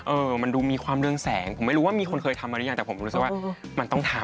เออมันดูมีความเรื่องแสงผมไม่รู้ว่ามีคนเคยทำมาหรือยังแต่ผมรู้สึกว่ามันต้องทำ